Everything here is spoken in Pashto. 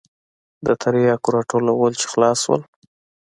د ترياکو راټولول چې خلاص سول.